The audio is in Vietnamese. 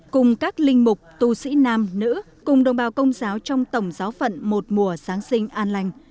cùng các linh mục tu sĩ nam nữ cùng đồng bào công giáo trong tổng giáo phận một mùa giáng sinh an lành